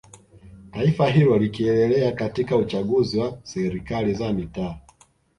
Taifa hilo likieleleea katika uchaguzi wa serikali za mitaaa